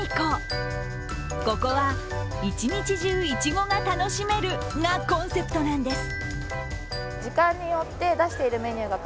ここは一日中、いちごが楽しめるがコンセプトなんです。